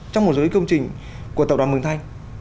trong một số cái công trình của tập đoàn mừng thanh